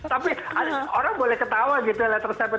tapi orang boleh ketawa gitu ya lihat resepnya